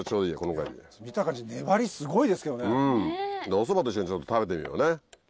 おそばと一緒にちょっと食べてみようね。